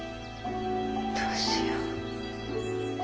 どうしよう。